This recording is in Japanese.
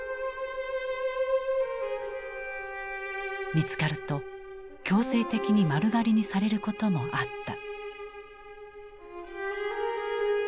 見つかると強制的に丸刈りにされることもあった。